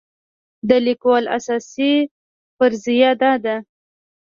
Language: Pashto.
د لیکوال اساسي فرضیه دا ده.